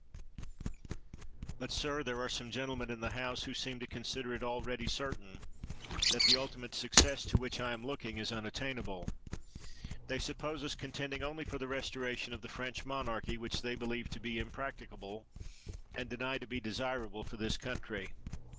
But, sir, there are some gentlemen in the House who seem to consider it already certain 24 PITT that the ultimate success to which I am lookiiig is unattainable. They suppose us contending only for the restoration of the French monarchy, which they believe to be impracticable, and deny to be desirable for this country.